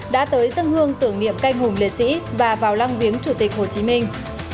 đã tới dân hương tưởng niệm canh hùng liệt sĩ và vào lăng viếng chủ tịch hồ chí minh